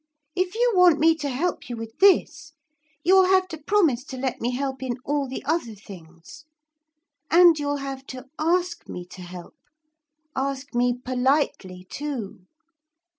If you want me to help you with this, you'll have to promise to let me help in all the other things. And you'll have to ask me to help ask me politely too.'